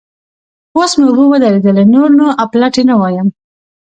اوس مې اوبه ودرېدلې؛ نور نو اپلاتي نه وایم.